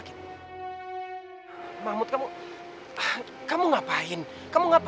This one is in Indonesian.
terima kasih papa